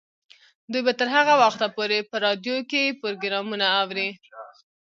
دوی به تر هغه وخته پورې په راډیو کې پروګرامونه اوري.